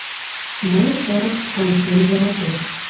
Мый шорык-шамычем йӧратем...